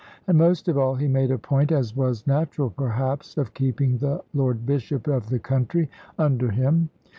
And most of all, he made a point (as was natural perhaps) of keeping the Lord Bishop of the country under him.